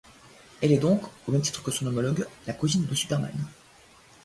Elle est donc, au même titre que son homologue, la cousine de Superman.